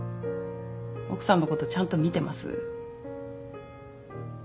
奥さんのことちゃんと見てます？